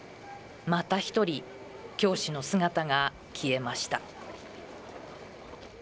また一人、教師の姿が消えました。